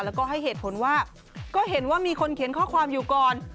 แล้วก็ให้เหตุผลว่าก็เห็นว่ามีคนเขียนข้อความอยู่ก่อน